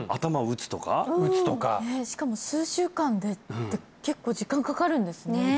打つとかしかも数週間でって結構時間かかるんですね